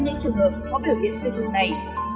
để trường hợp có biểu hiện kết thúc nãy